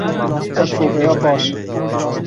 Ev sobeya baş e.